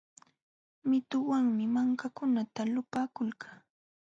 Mituwanmi mankakunata lupaakulqa.